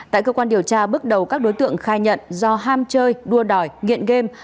tại cơ quan điều tra bước đầu các đối tượng khai nhận do ham chơi đua đòi nghiện game